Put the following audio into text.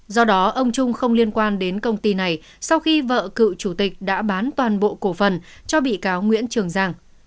do đó ông trung không liên quan đến công ty này sau khi vợ cựu chủ tịch đã bán toàn bộ cổ phần cho bị cáo nguyễn trường giang